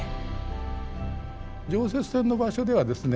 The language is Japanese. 常設展の場所ではですね